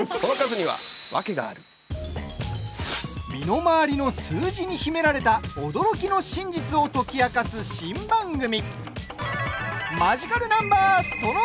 身の回りの数字に秘められた驚きの真実を解き明かす新番組。